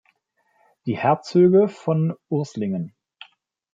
Die Herzöge von Urslingen